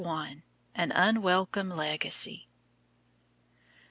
AN UNWELCOME LEGACY.